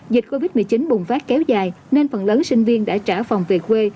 dịch covid một mươi chín bùng phát kéo dài nên phần lớn sinh viên đã trả phòng về quê